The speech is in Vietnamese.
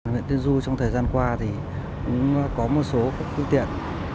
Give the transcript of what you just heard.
huyện tiên du trong thời gian qua thì cũng có một số phương tiện